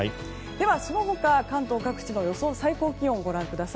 ではその他、関東各地の予想最高気温です。